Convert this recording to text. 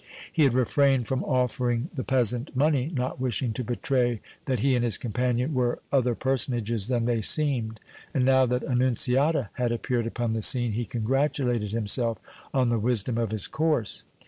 He had refrained from offering the peasant money, not wishing to betray that he and his companion were other personages than they seemed, and now that Annunziata had appeared upon the scene he congratulated himself on the wisdom of his course.